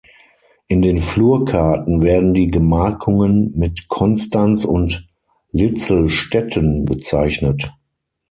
In den Flurkarten werden die Gemarkungen mit "Konstanz" und "Litzelstetten" bezeichnet.